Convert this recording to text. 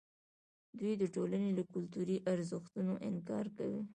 دوی د ټولنې له کلتوري ارزښتونو انکار کاوه.